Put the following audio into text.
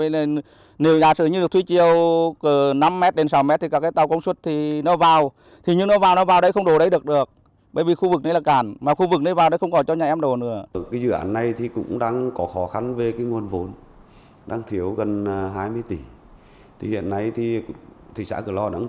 để giải quyết tình trạng trên năm hai nghìn một mươi bảy ủy ban nhân dân thị xã cửa lò đã triển khai dự án xây dự án khu neo đậu tàu thuyền giai đoạn hai